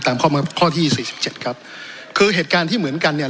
ข้อข้อที่สี่สิบเจ็ดครับคือเหตุการณ์ที่เหมือนกันเนี่ย